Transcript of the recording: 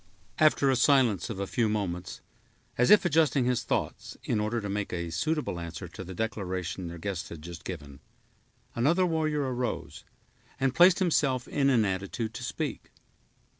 After a silence of a few moments, as if adjusting his thoughts, in order to make a suitable answer to the declaration their guests had just given, another warrior arose, and placed himself in an attitude to speak.